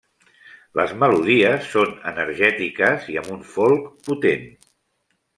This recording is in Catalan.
Les melodies són energètiques i amb un folk potent.